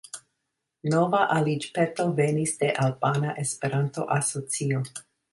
Nova aliĝpeto venis de Albana Esperanto-Asocio.